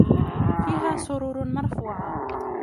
فِيهَا سُرُرٌ مَرْفُوعَةٌ